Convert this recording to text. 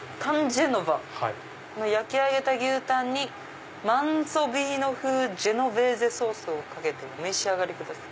「焼き上げた牛タンにマンツォヴィーノ風ジェノヴェーゼソースをかけてお召し上がりください」。